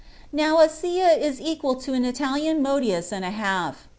Now a seah is equal to an Italian modius and a half.